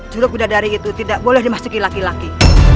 juruk bidadari itu tidak boleh dimasuki laki laki